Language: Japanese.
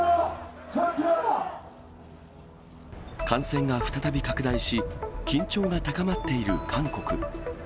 感染が再び拡大し、緊張が高まっている韓国。